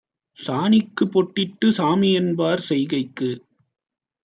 சாணிக்குப் பொட்டிட்டுச் சாமிஎன்பார் செய்கைக்கு